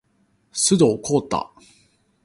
可以話係鬆一口氣